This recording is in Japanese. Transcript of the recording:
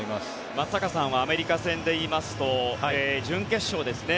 松坂さんはアメリカ戦で言いますと準決勝ですね。